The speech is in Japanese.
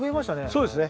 そうですね。